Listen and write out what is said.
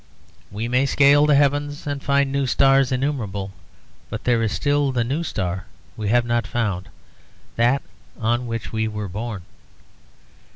We may scale the heavens and find new stars innumerable, but there is still the new star we have not found that on which we were born.